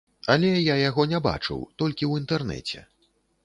Але я яго не бачыў, толькі ў інтэрнэце.